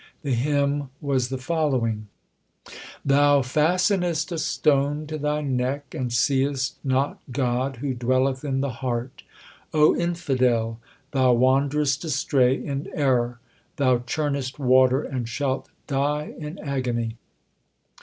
The hymn was the following : Thou fastenest a stone to thy neck, And seest not God who dwelleth in the heart. O infidel, thou wanderest astray in error : Thou churnest water and shalt die in agony.